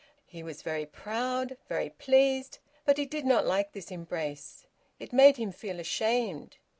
He was very proud, very pleased, but he did not like this embrace; it made him feel ashamed.